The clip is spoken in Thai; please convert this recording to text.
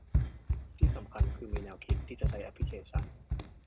ที่สำคัญคือมีแนวคิดที่จะใช้แอพลิเคชัน